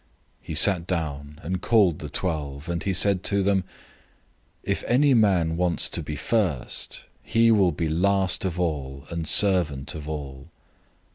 009:035 He sat down, and called the twelve; and he said to them, "If any man wants to be first, he shall be last of all, and servant of all."